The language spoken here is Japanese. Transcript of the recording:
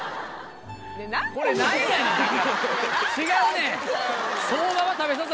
違うねん！